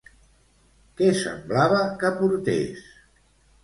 Què semblava que portés?